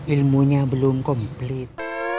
ilmunya belum komplit